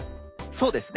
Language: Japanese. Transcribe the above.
そうですね